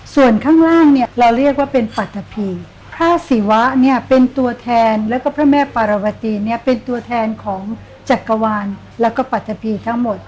ส่วนข้างล่างเราเรียกว่าเป็นปัทพีพระศีวะเป็นตัวแทนและพระแม่ปารวัติเป็นตัวแทนของจักรวาลและปัทพีทั้งหมด